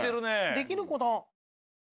できる子だ。